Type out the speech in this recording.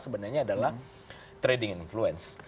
sebenarnya adalah trading influence